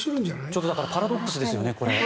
ちょっとパラドックスですよね。